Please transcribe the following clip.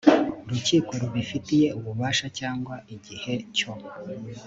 urukiko rubifitiye ububasha cyangwa igihe cyo